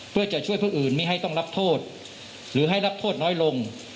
เพื่อจะช่วยผู้อื่นไม่ให้ต้องรับโทษหรือให้รับโทษน้อยลง